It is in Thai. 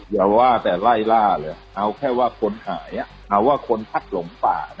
อย่าว่าแต่ไล่ล่าเลยเอาแค่ว่าคนหายเอาว่าคนพัดหลงป่า